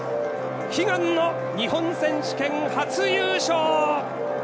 悲願の日本選手権初優勝！